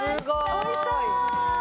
おいしそう！